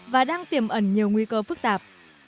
và đang tiềm ẩn nhiều nguy cơ phức tạp